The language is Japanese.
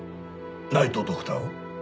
ナイト・ドクターを？